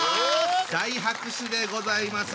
大拍手でございます。